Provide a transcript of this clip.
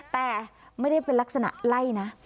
แต่ไม่ได้เป็นลักษณะไล่นะ